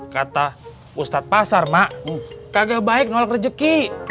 kata ustadz pasar mak kagak baik nolak rezeki